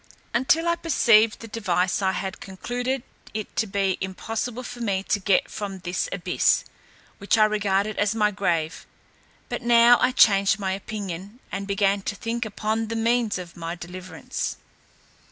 Until I perceived the device I had concluded it to be impossible for me to get from this abyss, which I regarded as my grave; but now I changed my opinion, and began to think upon the means of my deliverance.